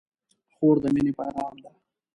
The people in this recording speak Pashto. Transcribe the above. خور د مینې پیغام ده.